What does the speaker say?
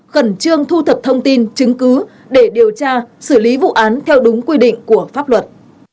khẩn trương thu thập thông tin chứng cứ để điều tra xử lý vụ án theo đúng quy định của pháp luật